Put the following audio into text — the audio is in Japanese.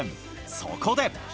そこで。